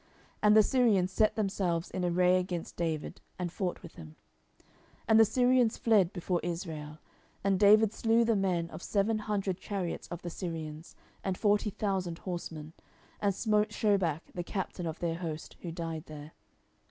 And the Syrians set themselves in array against David, and fought with him. 10:010:018 And the Syrians fled before Israel; and David slew the men of seven hundred chariots of the Syrians, and forty thousand horsemen, and smote Shobach the captain of their host, who died there.